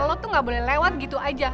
lo tuh gak boleh lewat gitu aja